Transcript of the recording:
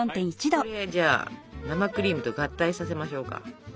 これじゃあ生クリームと合体させましょうか。